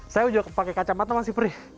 saya udah pakai kacamata masih perih